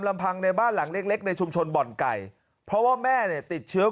ลำพังในบ้านหลังเล็กเล็กในชุมชนบ่อนไก่เพราะว่าแม่เนี่ยติดเชื้อ